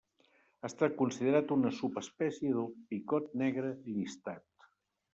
Ha estat considerat una subespècie del picot negre llistat.